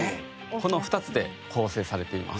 この２つで構成されています。